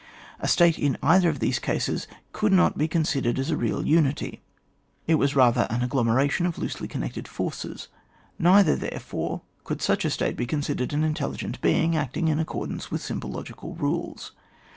A State in either of these cases could not be con sidered as a real unity; it was rather an I CHAP, m.] dF TKE MA QNITUDE OF THE OBJECT, ETC. 81 agglomeration of loosely conntfcted forces. Neither, therefore^ could such a State be considered an intelligent being, acting in accordance with simple logical rules.